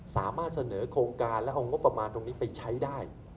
สามารถเสนอโครงการและเอางบประมาณตรงนี้ไปใช้ได้